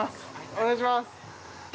お願いします。